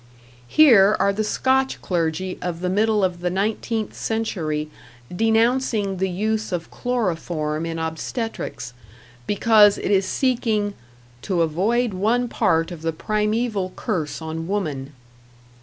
Here are the Scotch clergy of the middle of the nineteenth century denouncing the use of chloroform in obstetrics, because it is seeking "to avoid one part of the primeval curse on woman".